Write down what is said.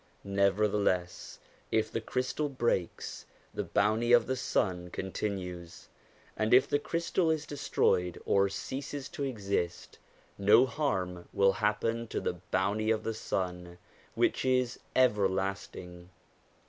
Nevertheless, if the crystal breaks, the bounty of the sun continues ; and if the crystal is destroyed or ceases to exist, no harm will happen to the bounty of the sun which is everlasting.